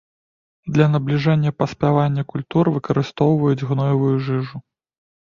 Для набліжэння паспявання культур выкарыстоўваюць гноевую жыжу.